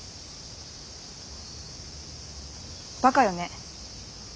バカよね。